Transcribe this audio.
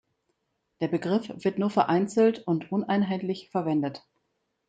Der Begriff wird nur vereinzelt und uneinheitlich verwendet.